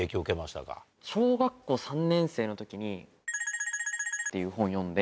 小学校３年生の時に。っていう本読んで。